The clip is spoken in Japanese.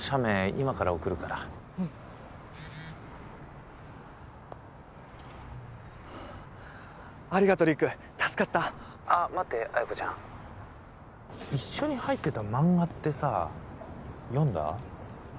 今から送るからありがと陸助かった☎ああ待って彩子ちゃん一緒に入ってた漫画ってさ読んだ？